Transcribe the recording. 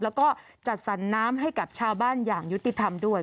แล้วก็จัดสรรน้ำให้กับชาวบ้านอย่างยุติธรรมด้วย